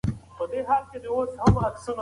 که تخته وي نو درس نه پاتې کیږي.